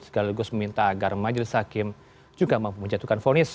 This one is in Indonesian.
sekaligus meminta agar majelis hakim juga mampu menjatuhkan fonis